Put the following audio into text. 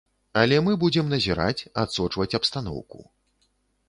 Але мы будзем назіраць, адсочваць абстаноўку.